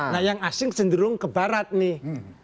nah yang asing cenderung ke barat nih